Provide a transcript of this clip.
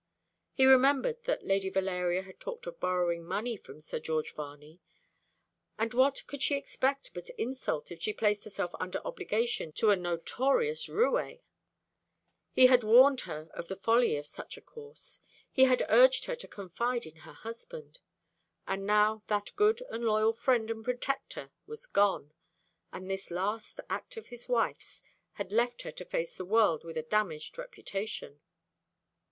He remembered that Lady Valeria had talked of borrowing money from Sir George Varney; and what could she expect but insult if she placed herself under obligation to a notorious roue? He had warned her of the folly of such a course. He had urged her to confide in her husband. And now that good and loyal friend and protector was gone; and this last act of his wife's had left her to face the world with a damaged reputation.